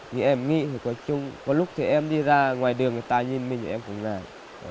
thì em nghĩ thì coi chung có lúc thì em đi ra ngoài đường người ta nhìn mình thì em cũng ra